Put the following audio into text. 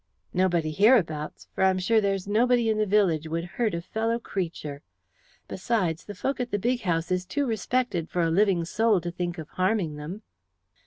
Nobody hereabouts, for I'm sure there's nobody in the village would hurt a fellow creature. Besides, the folk at the big house is too respected for a living soul to think of harming them."